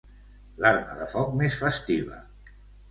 L'arma de foc més festiva.